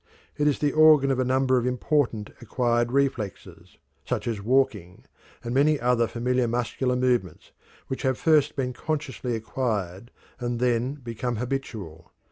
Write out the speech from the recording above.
It is the organ of a number of important acquired reflexes, such as walking, and many other familiar muscular movements, which have first been consciously acquired and then become habitual.